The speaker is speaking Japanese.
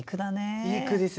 いい句ですね。